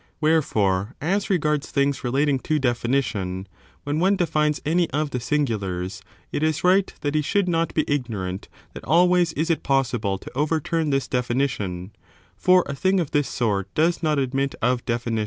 Wherefore, as regards things relating to definition, 4 when one defines any of the singulars it is right that he should not be ignorant that always is it possible to overturn this definition, for a thing of this sort does not admit of definition, s.